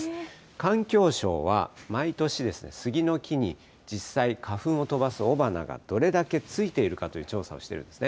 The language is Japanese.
環境省は毎年、スギの木に実際、花粉を飛ばす雄花がどれだけついているかという調査をしているんですね。